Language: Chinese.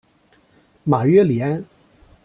马约里安。